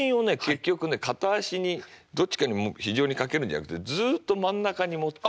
結局ね片足にどっちかに非常にかけるんじゃなくてずっと真ん中にもってるってことなんですよね。